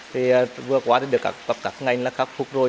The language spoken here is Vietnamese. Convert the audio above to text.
thì vừa qua được các ngành khắc phục rồi